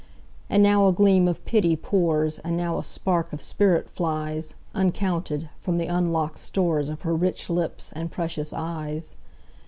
And now a gleam of pity pours, And now a spark of spirit flies, Uncounted, from the unlock'd storesOf her rich lips and precious eyes.